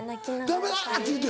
ダメだって言うて。